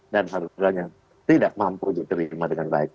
dan harganya tidak mampu diterima dengan baik